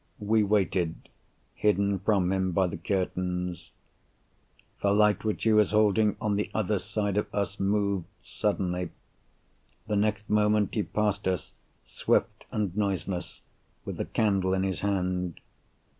We waited, hidden from him by the curtains. The light which he was holding on the other side of us moved suddenly. The next moment he passed us, swift and noiseless, with the candle in his hand.